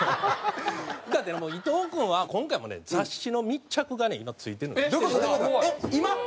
伊藤君は今回もね雑誌の密着がね今ついてる。